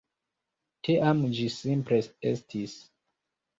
Tiam ĝi simple estis.